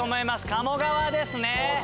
鴨川ですね。